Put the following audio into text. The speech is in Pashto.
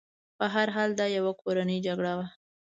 په هر حال دا یوه کورنۍ جګړه وه.